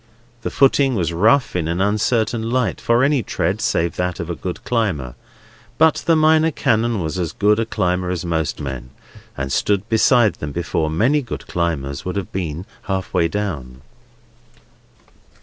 The footing was rough in an uncertain light for any tread save that of a good climber; but the Minor Canon was as good a climber as most men, and stood beside them before many good climbers would have been half way down.